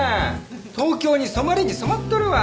東京に染まりに染まっとるわ。